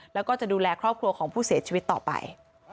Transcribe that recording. แล้วก็จะดูแลครอบครัวของผู้เสียชีวิตต่อไป